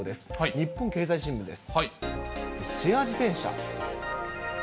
日本経済新聞です。